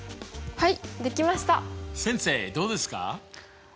はい。